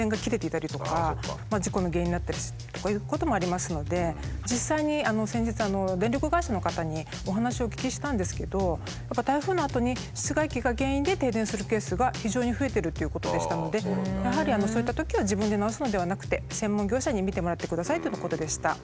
実はそのタイミングで実際に先日電力会社の方にお話をお聞きしたんですけどやっぱり台風のあとに室外機が原因で停電するケースが非常に増えてるっていうことでしたのでやはりそういったときは自分で直すのではなくて専門業者に見てもらってくださいとのことでした。